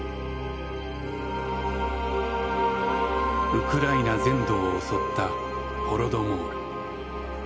ウクライナ全土を襲ったホロドモール。